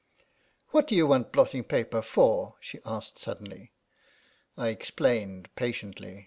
"What do you want blotting paper for?" she asked suddenly. I explained patiently.